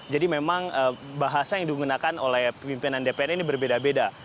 jadi memang bahasa yang digunakan oleh pemimpinan dpr ini berbeda beda